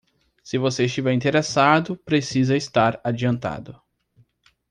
Se você estiver interessado, precisa estar adiantado